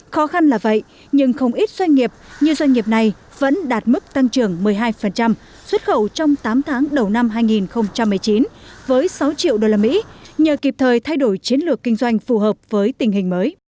khó khăn là vậy nhưng không ít doanh nghiệp như doanh nghiệp này vẫn đạt mức tăng trưởng một mươi hai xuất khẩu trong tám tháng đầu năm hai nghìn một mươi chín với sáu triệu usd nhờ kịp thời thay đổi chiến lược kinh doanh phù hợp với tình hình mới